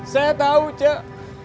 saya tahu cik